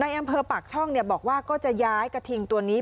อำเภอปากช่องบอกว่าก็จะย้ายกระทิงตัวนี้